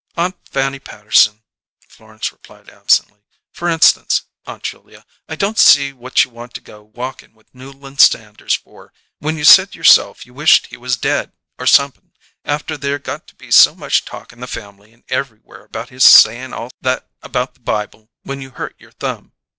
"Aunt Fanny Patterson," Florence replied absently. "F'r instance, Aunt Julia, I don't see what you want to go walking with Newland Sanders for, when you said yourself you wished he was dead, or somep'n, after there got to be so muck talk in the family and everywhere about his sayin' all that about the Bible when you hurt your thumb.